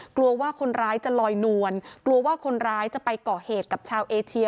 กลัวว่าคนร้ายจะลอยนวลกลัวว่าคนร้ายจะไปก่อเหตุกับชาวเอเชีย